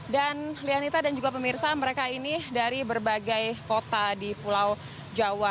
dan lianita dan juga pemirsa mereka ini dari berbagai kota di pulau jawa